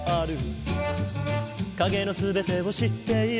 「影の全てを知っている」